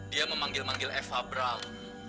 dia memanggil manggil eva brown